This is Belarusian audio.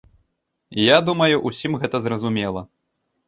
Я думаю, усім гэта зразумела.